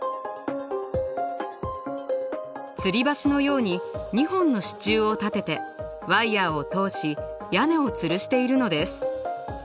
つり橋のように２本の支柱を立ててワイヤーを通し屋根をつるしているのです。